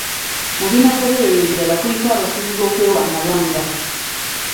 Mu binaagobererwa ebirala kuliko abasuubuzi okwewa amabanga.